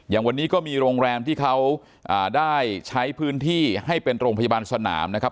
อย่างวันนี้ก็มีโรงแรมที่เขาได้ใช้พื้นที่ให้เป็นโรงพยาบาลสนามนะครับ